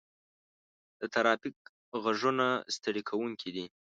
د ترافیک غږونه ستړي کوونکي دي.